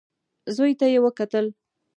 زوی ته يې وکتل.